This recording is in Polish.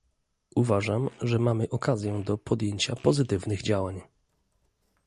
Uważam, że mamy okazję do podjęcia pozytywnych działań